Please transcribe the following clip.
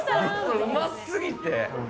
うますぎて。